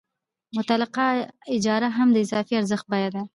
مطلقه اجاره هم د اضافي ارزښت بیه ده